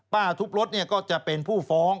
ป้าทุบรถเนี่ยก็จะเป็นผู้ฟ้อง